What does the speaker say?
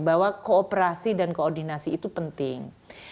bahwa kooperasi dan koordinasi itu penting